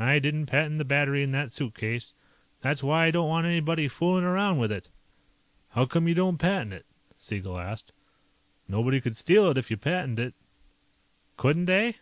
I didn't patent the battery in that suitcase. That's why I don't want anybody fooling around with it." "How come you don't patent it?" Siegel asked. "Nobody could steal it if you patented it." "Couldn't they?"